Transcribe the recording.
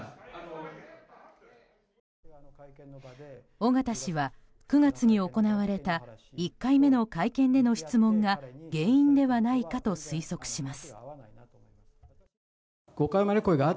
尾形氏は９月に行われた１回目の会見での質問が原因ではないかと推測します。